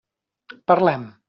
Parlem.